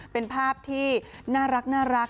เป็นภาพที่น่ารัก